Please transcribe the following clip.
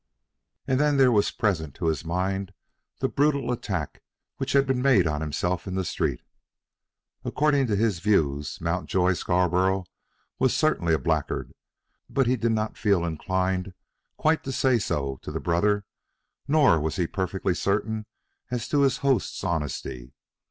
And then there was present to his mind the brutal attack which had been made on himself in the street. According to his views Mountjoy Scarborough was certainly a blackguard; but he did not feel inclined quite to say so to the brother, nor was he perfectly certain as to his host's honesty.